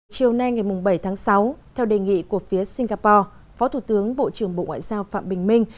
chiều nay ngày bảy tháng sáu theo đề nghị của phía singapore phó thủ tướng bộ trưởng bộ ngoại giao phạm bình minh